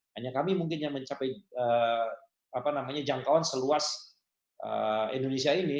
hanya kami mungkin yang mencapai jangkauan seluas indonesia ini